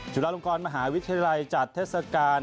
จุฬาลงกรมหาวิทยาลัยจัดเทศกาล